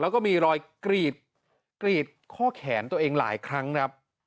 แล้วก็มีรอยกรีดข้อแขนตัวเองหลายครั้งครับ